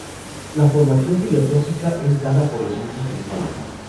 La formación filosófica es dada por el mismo seminario.